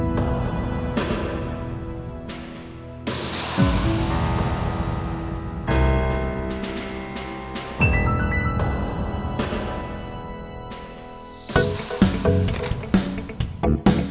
gimana udah selesai